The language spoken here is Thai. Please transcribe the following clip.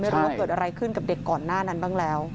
ไม่รู้ว่าเกิดอะไรขึ้นกับเด็กก่อนหน้านั้นบ้างแล้ว